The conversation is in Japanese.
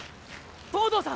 東堂さん